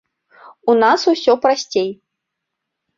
У нас усё прасцей.